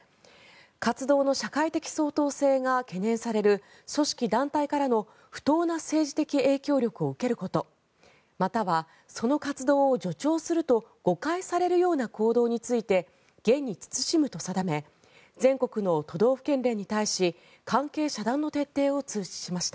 活動の社会的相当性が懸念される組織・団体からの不当な政治的影響力を受けることまたはその活動を助長すると誤解されるような行動について厳に慎むと定め全国の都道府県連に対し関係遮断の徹底を通知しました。